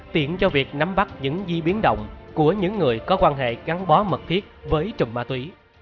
tiện cho việc nắm bắt những di biến động của những người có quan hệ gắn bó mật thiết với trồng ma túy